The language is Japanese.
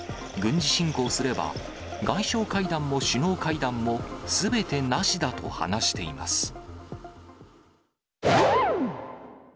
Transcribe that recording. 軍事侵攻すれば、外相会談も首脳会談もすべてなしだと話しています。